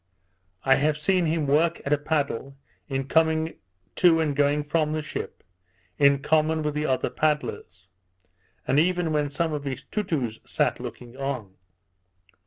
I have seen him work at a paddle, in coming to and going from the ship, in common with the other paddlers; and even when some of his Toutous sat looking on.